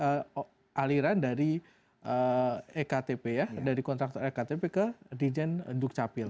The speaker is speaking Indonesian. dan juga aliran dari ektp ya dari kontraktor ektp ke dirjen dux capil